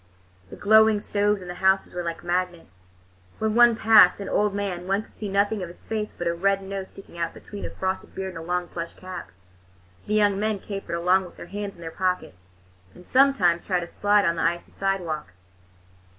The glowing stoves in the houses were like magnets. When one passed an old man, one could see nothing of his face but a red nose sticking out between a frosted beard and a long plush cap. The young men capered along with their hands in their pockets, and sometimes tried a slide on the icy sidewalk.